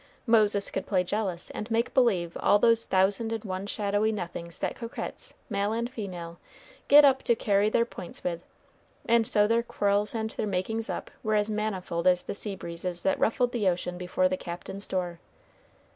Moses could play jealous, and make believe all those thousand and one shadowy nothings that coquettes, male and female, get up to carry their points with; and so their quarrels and their makings up were as manifold as the sea breezes that ruffled the ocean before the Captain's door.